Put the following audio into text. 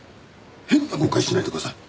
変な誤解しないでください。